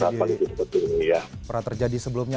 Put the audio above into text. jadi perat terjadi sebelumnya